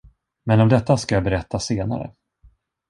Men om detta skall jag berätta senare.